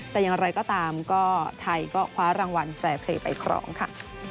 แต่อย่างไรก็ตามก็ไทยก็คว้ารางวัลแฟร์เพลย์ไปครองค่ะ